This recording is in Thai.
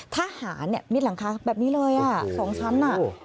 ทหารเนี่ยมิดหลังคาแบบนี้เลยอ่ะสองชั้นอ่ะ